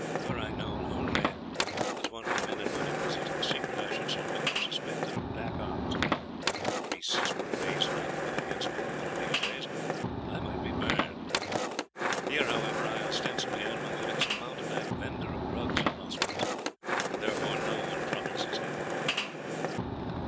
Were I known only as one whom men and women visit in secret, I should soon become suspected of black arts, the priests would raise an outcry against me, and one of these days I might be burned. Here, however, I ostensibly earn my living as a mountebank vendor of drugs and nostrums, and therefore no one troubles his head about me."